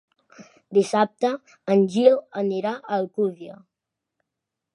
Dissabte en Gil anirà a Alcúdia.